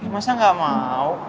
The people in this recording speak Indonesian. masa gak mau